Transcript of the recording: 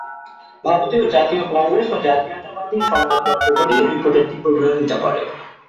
ভারতীয় জাতীয় কংগ্রেস ও জাতীয়তাবাদী সংবাদপত্রগুলি এ রিপোর্টের তীব্র বিরোধিতা করে।